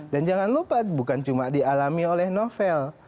dan jangan lupa bukan cuma dialami oleh novel